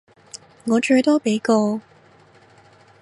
我最多畀個